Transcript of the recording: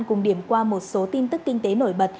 cùng điểm qua một số tin tức kinh tế nổi bật